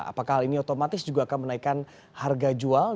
apakah hal ini otomatis juga akan menaikkan harga jual